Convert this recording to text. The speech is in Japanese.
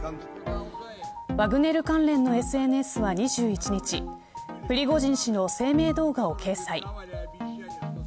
ワグネル関連のＳＮＳは、２１日プリゴジン氏の声明動画を掲載。